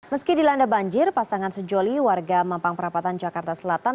meski dilanda banjir pasangan sejoli warga mampang perapatan jakarta selatan